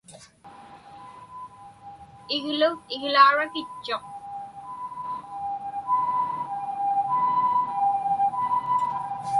Iglu iglaurakitchuq.